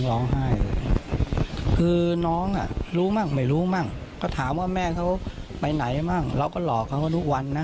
ครอบครัวไม่ได้อาฆาตแต่มองว่ามันช้าเกินไปแล้วที่จะมาแสดงความรู้สึกในตอนนี้